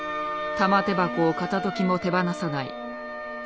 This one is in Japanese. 玉手箱を片ときも手放さない３２代浦島